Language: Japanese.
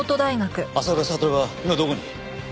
浅倉悟は今どこに？